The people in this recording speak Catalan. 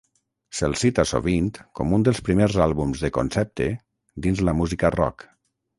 Se'l cita sovint com un dels primers àlbums de concepte dins la música rock.